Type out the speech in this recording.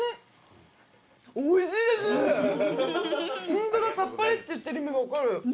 ホントださっぱりって言ってる意味が分かる。